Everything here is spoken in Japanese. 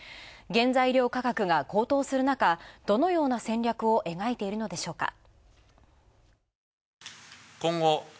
原材料価格が高騰する中どのような戦略を描いているのでしょうか。